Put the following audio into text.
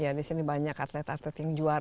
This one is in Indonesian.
ya di sini banyak atlet atlet yang juara